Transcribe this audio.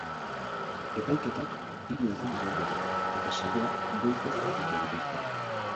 Epaiketak hiru egun iraungo du, eta saioak goizez egingo dituzte.